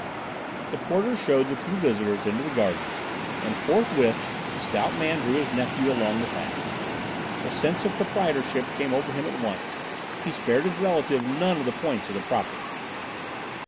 The porter showed the two visitors into the garden, and forthwith the stout man drew his nephew along the paths. The sense of proprietorship came over him at once; he spared his relative none of the points of the property.